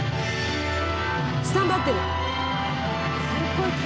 スタンバってる。